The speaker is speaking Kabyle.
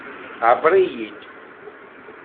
Ԑebber-iyi-id.